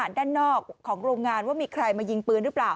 ด้านนอกของโรงงานว่ามีใครมายิงปืนหรือเปล่า